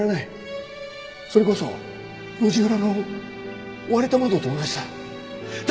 それこそ路地裏の割れた窓と同じだ。